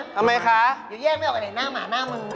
ทำไมคะอย่าแย่ไม่ออกไอหน้าหมาหน้ามึง